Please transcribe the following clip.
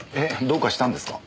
どうかしたんですか？